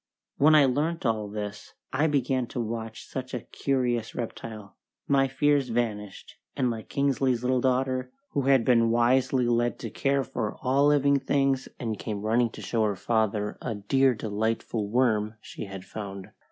When I learnt all this, I began to watch such a curious reptile; my fears vanished, and like Kingsley's little daughter, who had been wisely led to care for all living things and came running to show her father a "dear delightful worm" she had found!